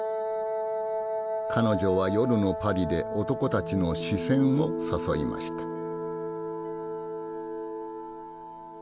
彼女は夜のパリで男たちの視線を誘いました。